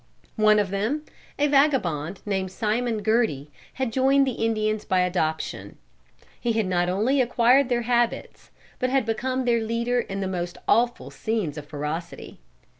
One of them, a vagabond named Simon Gerty, had joined the Indians by adoption. He had not only acquired their habits, but had become their leader in the most awful scenes of ferocity.